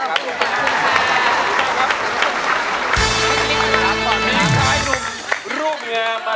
ไปไหน